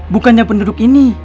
bukannya penduduk ini